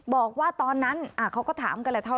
บอกว่าตอนนั้นเขาก็ถามกันแหละเท่า